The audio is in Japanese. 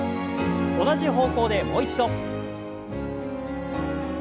同じ方向でもう一度。